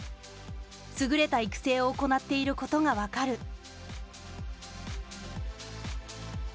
優れた育成を行っていることが分かる。